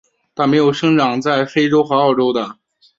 但没有生长在非洲和澳洲的。